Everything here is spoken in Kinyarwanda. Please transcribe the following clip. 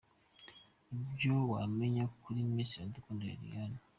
Ibyo wamenya kuri Miss Iradukunda Liliane.